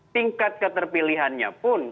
tingkat keterpilihannya pun